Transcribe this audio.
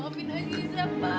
pak ini ada air doa pak